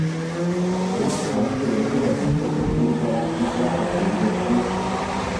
拉察是斯洛伐克首都布拉提斯拉瓦的一个区。